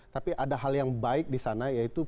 tapi ada hal yang baik di sana yaitu